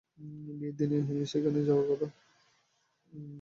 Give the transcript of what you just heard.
বিয়ের দিনে সেখানে যাবার কথা।